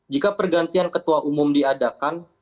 jika pergantian ketua umum diadakan